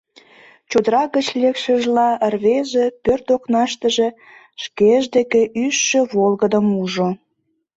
Чодыра гыч лекшыжла, рвезе пӧрт окнаштыже шкеж деке ӱжшӧ волгыдым ужо.